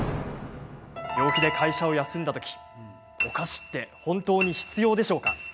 病気で会社を休んだ時お菓子って本当に必要でしょうか。